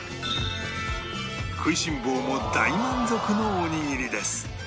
食いしん坊も大満足のおにぎりです